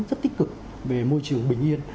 rất tích cực về môi trường bình yên